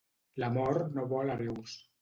L'amor no vol hereus.